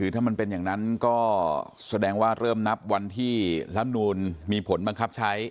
ถ้ามันเป็นอย่างนั้นก็แสดงว่าเริ่มนับวันที่ลำนูลมีผลบังคับใช้